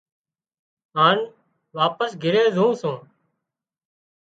هانَ واپس گھِري زُون سُون۔